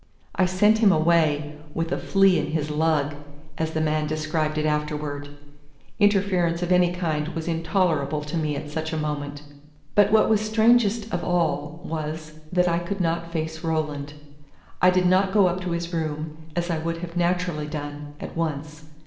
I sent him away "with a flea in his lug," as the man described it afterwards. Interference of any kind was intolerable to me at such a moment. But what was strangest of all was, that I could not face Roland. I did not go up to his room, as I would have naturally done, at once.